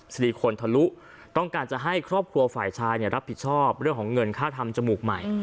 ดีคนทะลุต้องการจะให้ครอบครัวฝ่ายชายรับผิดชอบเรื่องของเงินค่าทำจมูกใหม่